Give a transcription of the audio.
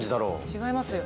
違いますよ。